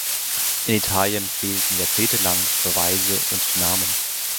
In Italien fehlten jahrzehntelang Beweise und Namen.